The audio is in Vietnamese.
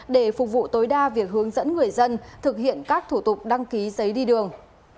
để phục vụ tối đa việc hướng dẫn người dân thực hiện các thủ tục đăng ký giấy đi đường